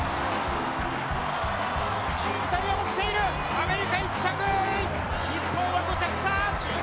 アメリカ１着、日本は５着か。